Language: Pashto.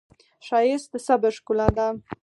ښایست د صبر ښکلا ده